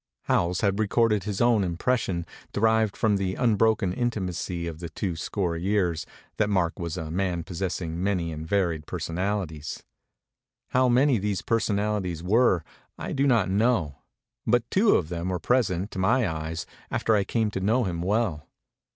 Ho wells has recorded his own impression de rived from the unbroken intimacy of two score years, that Mark was a man possessing many and varied personalities. How many these per sonalities were I do not know; but two! of them were present to my eyes after I camd to know him well.